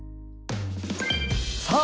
さあ